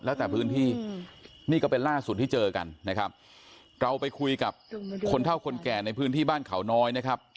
แล้วแต่พื้นที่นี่ก็เป็นล่าสุดที่เจอกันนะครับเราไปคุยกับคนเท่าคนแก่ในพื้นที่บ้านเขาน้อยนะครับ